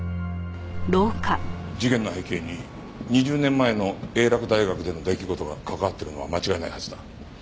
事件の背景に２０年前の英洛大学での出来事が関わってるのは間違いないはずだ。